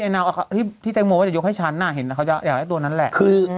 ไอฮาที่ตั้งว่าเรามีรักให้ฉันหน้าเห็นนะคะจะอยากตัวนั้นแหละคือ